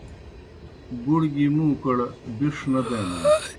گُڑ گیْ مُوں کڑ بِݜ نہ دینَن